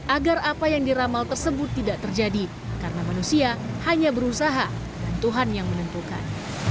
agar apa yang diramal tersebut tidak terjadi karena manusia hanya berusaha dan tuhan yang menentukan